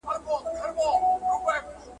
د بايرن غوندي سپېڅلی هم